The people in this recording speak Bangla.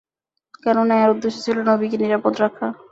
কেননা, এর উদ্দেশ্য ছিল নবীকে নিরাপদ রাখা।